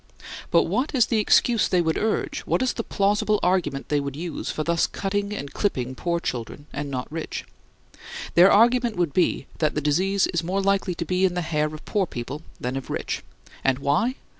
But what is the excuse they would urge, what is the plausible argument they would use, for thus cutting and clipping poor children and not rich? Their argument would be that the disease is more likely to be in the hair of poor people than of rich. And why?